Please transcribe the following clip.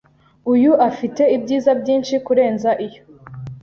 Uyu afite ibyiza byinshi kurenza iyo.